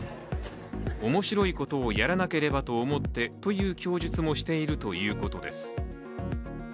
面白いことをやらなければと思ってという供述もしているということです。